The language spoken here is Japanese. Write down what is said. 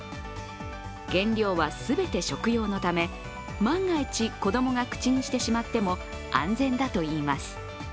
原料は全て食用のため、万が一、子供が口にしてしまっても安全だといいます。